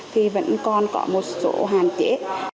thì vẫn còn có một số hàn chế